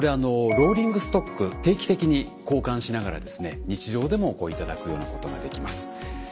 ローリングストック定期的に交換しながら日常でも頂くようなことができます。